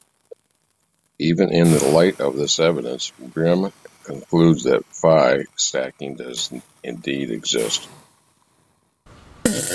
Even in light of this evidence, Grimme concludes that pi stacking does indeed exist.